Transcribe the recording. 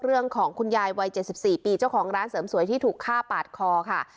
เรื่องของคุณยายวัยเจ็บสิบสี่ปีเจ้าของร้านเสริมสวยที่ถูกฆ่าปาดคอค่ะ